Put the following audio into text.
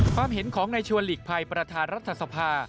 ความเห็นของในชวนหลีกภัยประธานรัฐสภา